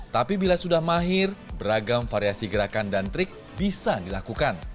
tapi bila sudah mahir beragam variasi gerakan dan trik bisa dilakukan